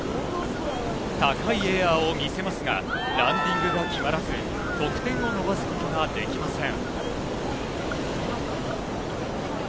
高いエアを見せますが、ランディングが決まらず、得点を伸ばすことができません。